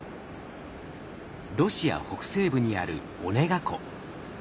ロシア北西部にあるオネガ湖。